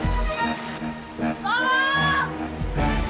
arman aku di sini mas